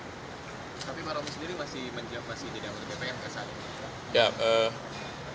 tapi romi sendiri masih menjawab masih tidak menerima penyidik